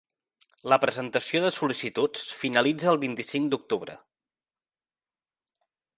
La presentació de sol·licituds finalitza el vint-i-cinc d’octubre.